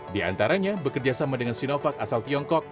diantaranya bekerja sama dengan sinovac asal tiongkok